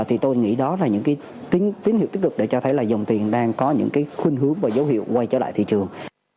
thì tôi nghĩ đó là những cái tín hiệu tích cực để cho thấy là dòng tiền đang có những khuyên hướng và dấu hiệu quay trở lại thị trường